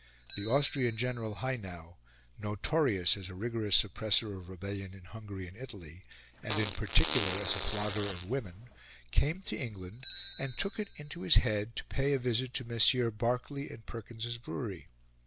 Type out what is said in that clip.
The Austrian General Haynau, notorious as a rigorous suppressor of rebellion in Hungary and Italy, and in particular as a flogger of women, came to England and took it into his head to pay a visit to Messrs. Barclay and Perkins's brewery.